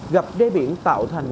gặp đê biển tạo thành